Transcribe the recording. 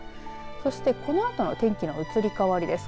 そして、このあとの天気の移り変わりです。